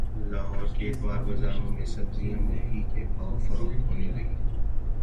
لاہور کے اتوار بازاروں میں سبزیاں مرغی کے بھاو فروخت ہونے لگیں